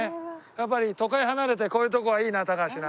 やっぱり都会離れてこういうとこはいいな高橋な。